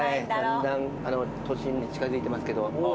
だんだん都心に近づいてますけど。